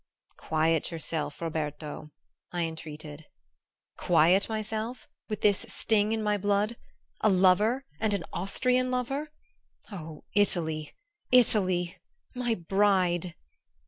"Quiet yourself, Roberto," I entreated. "Quiet myself? With this sting in my blood? A lover and an Austrian lover! Oh, Italy, Italy, my bride!"